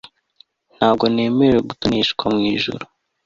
ntabwo nemerewe gutoneshwa mu ijuru